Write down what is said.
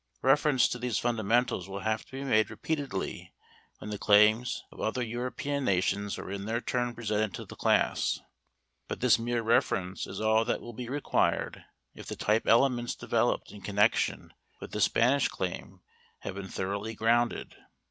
Reference to these fundamentals will have to be made repeatedly when the claims of other European nations are in their turn presented to the class, but this mere reference is all that will be required if the type elements developed in connection with the Spanish claim have been thoroughly grounded.